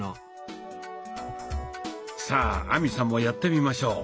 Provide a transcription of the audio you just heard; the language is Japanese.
さあ亜美さんもやってみましょう。